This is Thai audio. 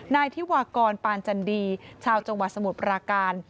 นายธิวากรปานจันดีชาวจังหวัดสมุทรปราการ